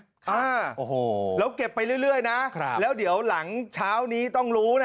อ่าโอ้โหแล้วเก็บไปเรื่อยนะครับแล้วเดี๋ยวหลังเช้านี้ต้องรู้นะ